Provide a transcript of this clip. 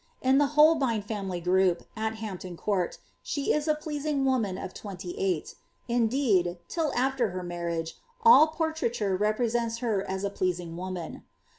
In the Holbein &inily group, at Hampton Court, she is a (leasing woman of twenty eight ; indeed, till after Imt marriage, all portraiture represents her as a pSeasing woman.